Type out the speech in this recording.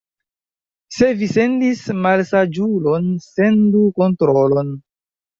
Se vi sendis malsaĝulon, sendu kontrolon.